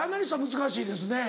難しいです